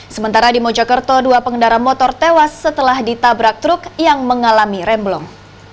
sementara di mojokerto dua pengendara motor tewas setelah ditabrak truk yang mengalami remblong